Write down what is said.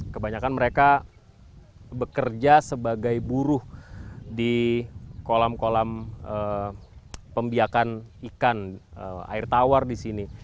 kebanyakan mereka bekerja sebagai buruh di kolam kolam pembiakan ikan air tawar di sini